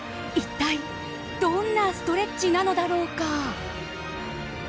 一体どんなストレッチなのだろうか。